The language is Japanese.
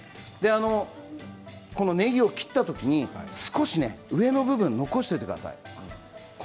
このねぎを切ったときに少し上の部分を残しておいてください。